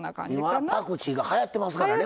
今パクチーがはやってますからね。